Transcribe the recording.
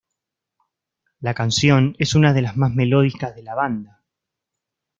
La canción es una de las más melódicas de la banda.